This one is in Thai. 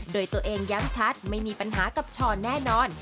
โดยตัวเองย้ำชัดไม่มีปัญหากับช้อนแน่นอน